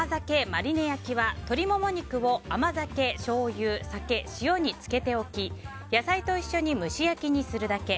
マリネ焼きは鶏モモ肉を甘酒、しょうゆ酒、塩につけておき野菜と一緒に蒸し焼きにするだけ。